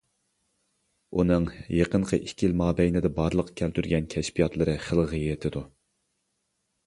ئۇنىڭ يېقىنقى ئىككى يىل مابەينىدە بارلىققا كەلتۈرگەن كەشپىياتلىرى خىلغا يېتىدۇ.